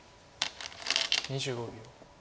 ２５秒。